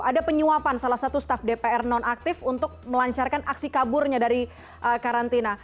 ada penyuapan salah satu staf dpr non aktif untuk melancarkan aksi kaburnya dari karantina